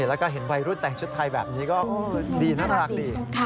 แล้วก็เห็นวัยรุ่นแต่งชุดไทยแบบนี้ก็ดีน่ารักดี